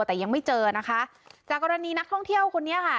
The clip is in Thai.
แต่ยังไม่เจอนะคะจากกรณีนักท่องเที่ยวคนนี้ค่ะ